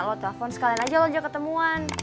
kalo bisa nih ya lo telpon sekalian aja lojak ketemuan